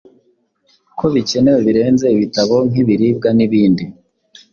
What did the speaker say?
ko bikenewe birenze ibitabo nk’ibiribwa n’ibindi.